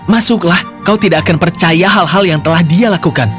masuklah kau tidak akan percaya hal hal yang telah dia lakukan